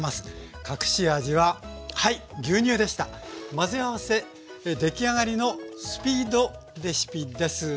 混ぜ合わせ出来上がりのスピードレシピです。